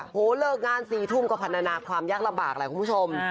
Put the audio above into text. เลิกงาน๔ทุ่มก็พัฒนาความยากลำบากแหละคุณผู้ชม